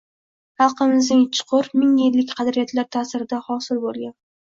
xalqimizning chuqur, ming yillik qadriyatlar ita’sirida hosil bo‘lgan